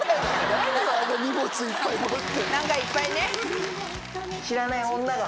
何かいっぱいね。